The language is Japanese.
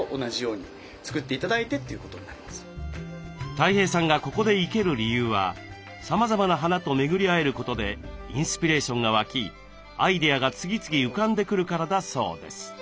たい平さんがここで生ける理由はさまざまな花と巡り合えることでインスピレーションが湧きアイデアが次々浮かんでくるからだそうです。